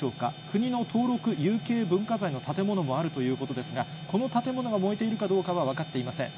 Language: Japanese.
国の登録有形文化財の建物もあるということですが、この建物が燃えているかどうかは分かっていません。